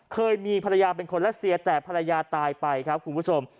เคยมีภรรยาเป็นคนรัสเซียแต่ภรรยาตายไปครับคุณผู้ชม